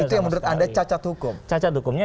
itu yang menurut anda cacat hukum cacat hukumnya